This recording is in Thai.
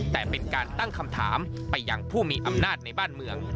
แต่เป็นการตั้งคำถามไปยังผู้มีอำนาจในบ้านเมือง